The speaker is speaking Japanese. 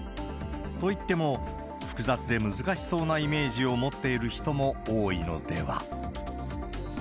といっても、複雑で難しそうなイメージを持っている人も多いのでは。